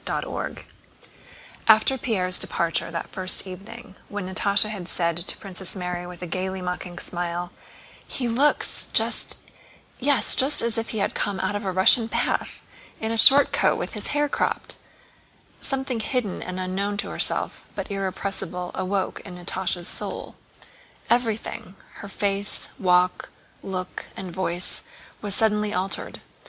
CHAPTER XX After Pierre's departure that first evening, when Natásha had said to Princess Mary with a gaily mocking smile: "He looks just, yes, just as if he had come out of a Russian bath—in a short coat and with his hair cropped," something hidden and unknown to herself, but irrepressible, awoke in Natásha's soul. Everything: her face, walk, look, and voice, was suddenly altered.